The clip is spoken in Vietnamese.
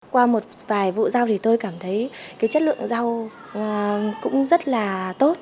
qua một vài vụ rau thì tôi cảm thấy cái chất lượng rau cũng rất là tốt